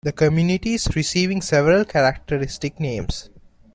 The communities receiving several characteristic names.